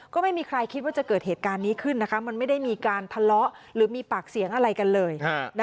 ก็ไม่มีใครคิดว่าจะเกิดเหตุการณ์นี้ขึ้นนะคะมันไม่ได้มีการทะเลาะหรือมีปากเสียงอะไรกันเลย